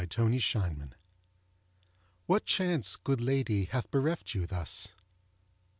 A PREDICAMENT What chance, good lady, hath bereft you thus?